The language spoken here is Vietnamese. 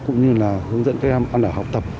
cũng như là hướng dẫn các em ăn ở học tập